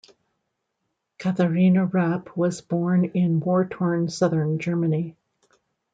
Katharina Rapp was born in war-torn southern Germany.